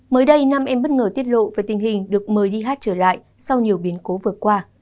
mới đây nam em bất ngờ tiết lộ về tình hình được mời đi hát trở lại sau nhiều biến cố vừa qua